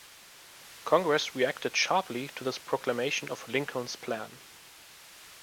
Congress reacted sharply to this proclamation of Lincoln's plan.